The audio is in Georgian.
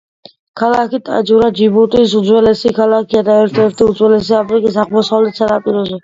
ქალაქი ტაჯურა ჯიბუტის უძველესი ქალაქია და ერთ-ერთი უძველესია აფრიკის აღმოსავლეთ სანაპიროზე.